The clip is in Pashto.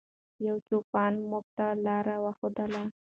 یو چوپان موږ ته لاره وښودله.